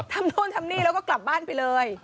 นู่นทำนี่แล้วก็กลับบ้านไปเลย